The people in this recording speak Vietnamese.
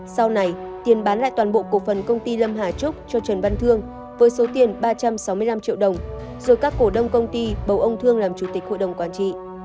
sau này tiền bán lại toàn bộ cổ phần công ty lâm hà trúc cho trần văn thương với số tiền ba trăm sáu mươi năm triệu đồng rồi các cổ đông công ty bầu ông thương làm chủ tịch hội đồng quản trị